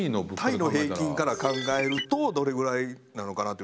タイの平均から考えるとどれぐらいなのかなって。